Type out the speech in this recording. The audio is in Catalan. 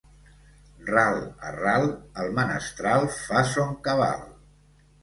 Ral a ral, el menestral fa son cabal.